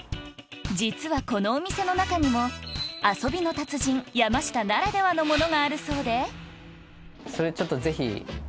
実はこのお店の中にも遊びの達人山下ならではのものがあるそうでそれちょっと。